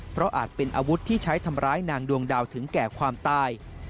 เพราะอาจเป็นอาวุธที่ใช้ทำร้ายนางดวงดาวถึงแก่ความตาย